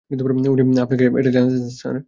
উনি আপনাকে এটা জানাতে চান, স্যার।